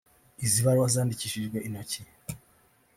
Izi baruwa zandikishijwe intoki